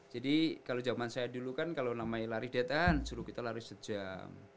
jadi kalau zaman saya dulu kan kalau namanya lari daya tahan suruh kita lari sejam